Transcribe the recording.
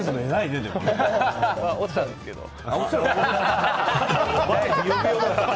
まあ、落ちたんですけどね。